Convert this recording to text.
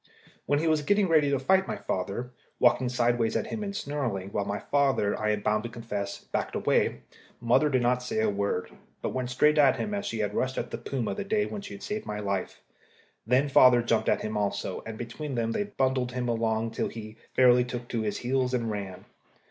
When he was getting ready to fight my father walking sideways at him and snarling, while my father, I am bound to confess, backed away mother did not say a word, but went straight at him as she had rushed at the puma that day when she saved my life. Then father jumped at him also, and between them they bundled him along till he fairly took to his heels and ran.